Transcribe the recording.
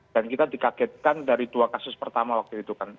dan kita dikagetkan dari dua kasus pertama waktu itu kan